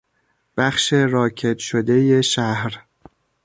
بخش راکد شدهی شهر